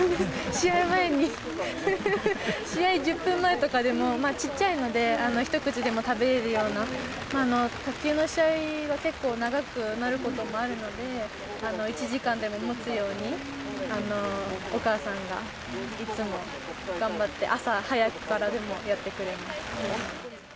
試合前に、試合１０分前とかでも、ちっちゃいので、一口でも食べられるような、卓球の試合は結構、長くなることもあるので、１時間でももつように、お母さんがいつも頑張って、朝早くからでもやってくれました。